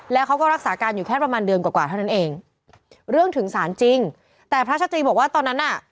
แล้วเขาก็รักษาการอยู่แค่ประมาณเดือนกว่ากว่าเท่านั้นเองเรื่องถึงสารจริงแต่พระชตรีบอกว่าตอนนั้นน่ะ